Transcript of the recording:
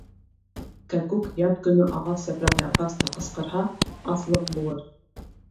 Кәкүк яҙ көнө ағас япраҡ ярғас та ҡысҡырһа, аслыҡ булыр.